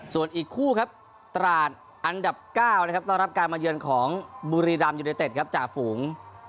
ส่วนอีกคู่ครับตราดอันดับ๙นะครับต้อนรับการมาเยือนของบุรีรัมยูเนเต็ดครับจ่าฝูง